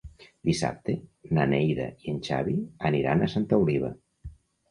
Dissabte na Neida i en Xavi aniran a Santa Oliva.